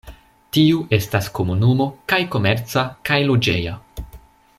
Tiu estas komunumo kaj komerca kaj loĝeja.